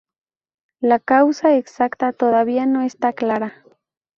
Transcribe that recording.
La causa exacta todavía no está clara.